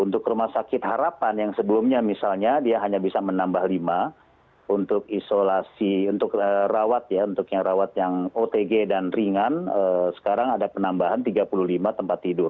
untuk rumah sakit harapan yang sebelumnya misalnya dia hanya bisa menambah lima untuk isolasi untuk rawat ya untuk yang rawat yang otg dan ringan sekarang ada penambahan tiga puluh lima tempat tidur